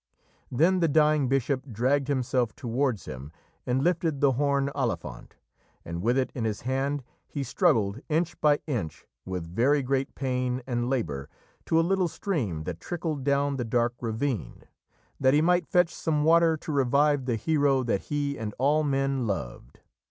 Then the dying bishop dragged himself towards him and lifted the horn Olifant, and with it in his hand he struggled, inch by inch, with very great pain and labour, to a little stream that trickled down the dark ravine, that he might fetch some water to revive the hero that he and all men loved.